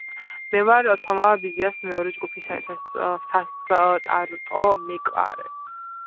მე ვარ თომა ბაიას მეორე ჯგუფის სასტარტო მეკარე